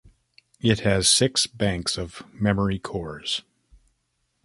It has six banks of memory cores.